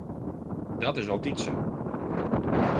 Dat is altyd sa.